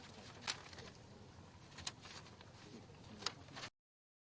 โปรดติดตามตอนต่อไป